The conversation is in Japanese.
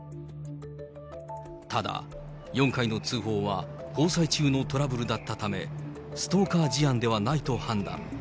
ただ、４回の通報は交際中のトラブルだったため、ストーカー事案ではないと判断。